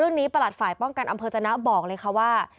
ประหลัดฝ่ายป้องกันอำเภอจนะบอกเลยค่ะว่า